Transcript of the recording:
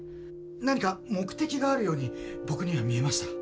何か目的があるように僕には見えました。